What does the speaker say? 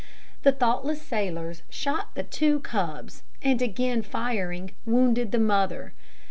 The thoughtless sailors shot the two cubs, and again firing, wounded the mother.